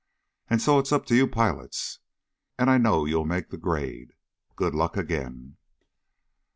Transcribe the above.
And so it's up to you pilots. And I know you'll make the grade. Good luck, again."